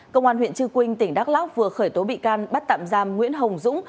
công an huyện trư quynh tỉnh đắk lắc vừa khởi tố bị can bắt tạm giam nguyễn hồng dũng